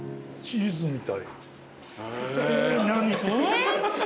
「チーズみたい」